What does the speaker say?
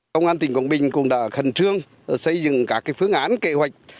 công an tỉnh quảng bình cũng đã khẩn trương xây dựng các phương án kế hoạch